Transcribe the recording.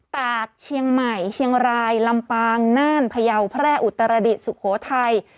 ตากเชียงใหม่เชียงรายลำปางน่านพยาวแพร่อุตรดิษฐสุโขทัย